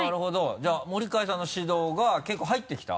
じゃあ森開さんの指導が結構入ってきた？